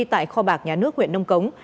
tại kho bạc nhà nước huyện nông cống